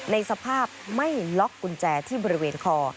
ในสภาพไม่ล็อกกุญแจที่บริเวณคอ